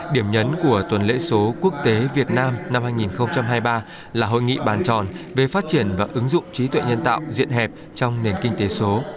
điểm nhấn của tuần lễ số quốc tế việt nam năm hai nghìn hai mươi ba là hội nghị bàn tròn về phát triển và ứng dụng trí tuệ nhân tạo diện hẹp trong nền kinh tế số